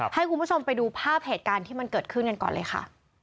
ให้คุณผู้ชมไปดูภาพเหตุการณ์ที่มันเกิดขึ้นกันก่อนเลยค่ะ